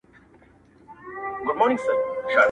سترگي كه نور هيڅ نه وي ژړا پكي مــــــوجــــوده وي.